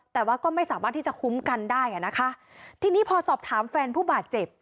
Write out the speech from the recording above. แต่ว่าก็ไม่สามารถที่จะคุ้มกันได้อ่ะนะคะทีนี้พอสอบถามแฟนผู้บาดเจ็บ